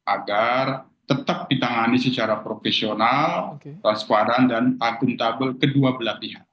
agar tetap ditangani secara profesional transparan dan akuntabel kedua belah pihak